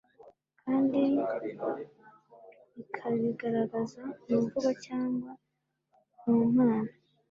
kandi ikabigaragaza mu mvugo cyangwa mu mpano